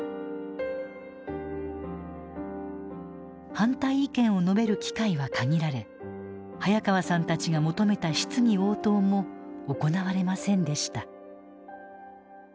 反対意見を述べる機会は限られ早川さんたちが求めた質疑応答も行われませんでした。